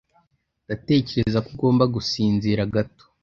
Ndatekereza ko ugomba gusinzira gato